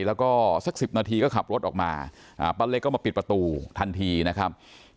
แล้วก็สัก๑๐นาทีก็ขับรถออกมาป้าเล็กก็มาปิดประตูทันทีนะครับ